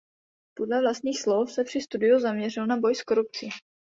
Podle vlastních slov se při studiu zaměřil na boj s korupcí.